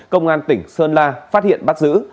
công an tỉnh sơn la phát hiện bắt giữ